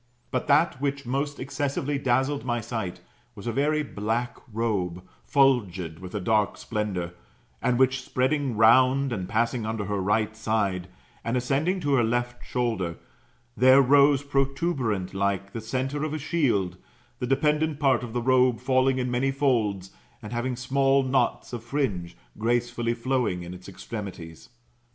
But that which most excessively dazzled my sight, was a very black robe, fiilgid with a dark splendour, and which, spreading round and passing under her right side, and ascending to her left shoulder, there rose protuberant like the centre of a shield, the dependant part of the robe falling in many folds, and having small knots of fringe, gracefully flowing in its extremities.